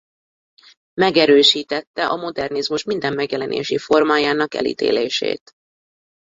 Megerősítette a modernizmus minden megjelenési formájának elítélését.